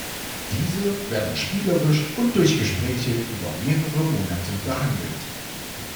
Diese werden spielerisch und durch Gespräche über mehrere Monate behandelt.